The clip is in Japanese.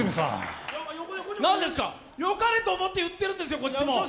よかれと思って言ってるんですよ、こっちも。